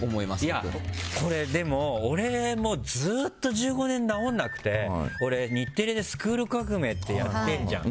いや、俺もずっと１５年治らなくて俺、日テレで「スクール革命！」やってんじゃん。